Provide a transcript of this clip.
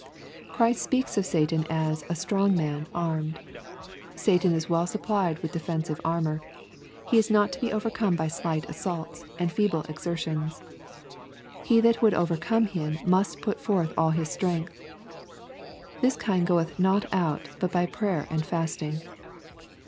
Christ speaks of Satan as a " strong man, armed." Satan is well supplied with defensive armor. He is not to be overcome by slight assaults, and feeble exertions. He that would overcome him must put forth all his strength. "This kind goeth not out but by prayer and fasting."